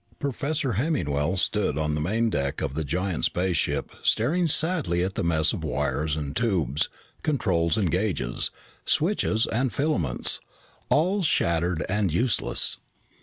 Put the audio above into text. Professor Hemmingwell stood on the main deck of the giant spaceship staring sadly at the mess of wires and tubes, controls and gauges, switches and filaments, all shattered and useless.